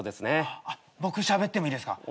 僕しゃべってもいいですか？